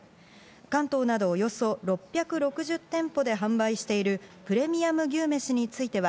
関東などおよそ６６０店舗で販売しているプレミアム牛めしについては、